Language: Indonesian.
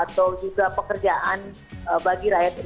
mbak fani bisa bayangkan ya kalau investasi lalu kemudian didatangkan